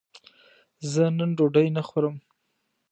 زه نن ډوډی نه خورم